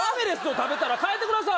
食べたら替えてください！